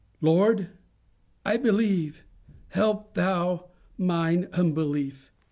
"Lord, I believe; help thou mine unbelief."